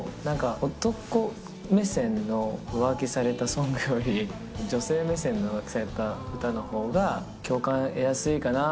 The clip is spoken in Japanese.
男目線の浮気されたソングより、女性目線の浮気された歌のほうが共感得やすいかな。